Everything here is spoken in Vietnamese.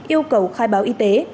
yêu cầu khai báo y tế